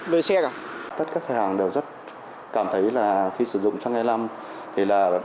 về xe cả tất các khách hàng đều rất cảm thấy là khi sử dụng xăng e năm họ sẽ thấy là xăng e năm này